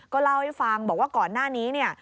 ก็เล่าให้ฟังบอกว่าก่อนหน้านี้เนี่ย